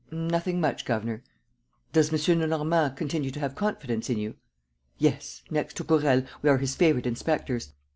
"Nothing much, governor." "Does M. Lenormand continue to have confidence in you?" "Yes. Next to Gourel, we are his favorite inspectors.